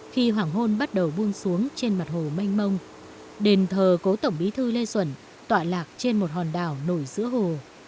khi hoàng hôn bắt đầu buông xuống trên mặt hồ mênh mông đền thờ cố tổng bí thư lê duẩn tọa lạc trên một hòn đảo nổi giữa hồ